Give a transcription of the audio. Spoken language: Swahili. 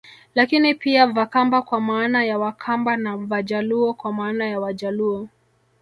Lakini pia Vakamba kwa maana ya Wakamba na Vajaluo kwa maana ya Wajaluo